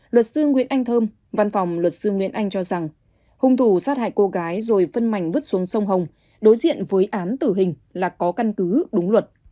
luật sư nguyễn anh thơm văn phòng luật sư nguyễn anh cho rằng hung thủ sát hại cô gái rồi phân mảnh vứt xuống sông hồng đối diện với án tử hình là có căn cứ đúng luật